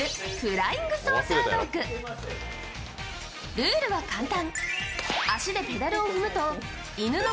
ルールは簡単。